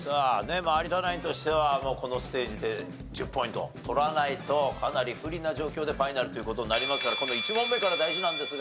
まあ有田ナインとしてはこのステージで１０ポイント取らないとかなり不利な状況でファイナルという事になりますからこの１問目から大事なんですが。